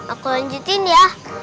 aku lanjutin ya